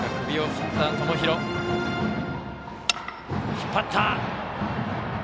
引っ張った。